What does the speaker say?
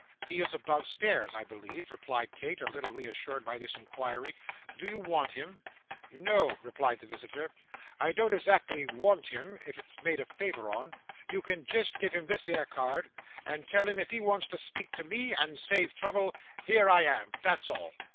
'He is above stairs, I believe,' replied Kate, a little reassured by this inquiry. 'Do you want him?' 'No,' replied the visitor. 'I don't ezactly want him, if it's made a favour on. You can jist give him that 'ere card, and tell him if he wants to speak to ME, and save trouble, here I am; that's all.